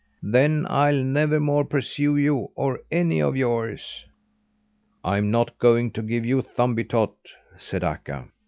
Then I'll never more pursue you or any of yours." "I'm not going to give you Thumbietot," said Akka.